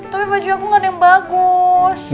tapi baju aku gak ada yang bagus